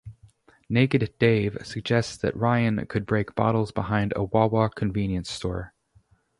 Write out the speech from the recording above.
Naked Dave suggests that Ryan should break bottles behind a Wawa convenience store.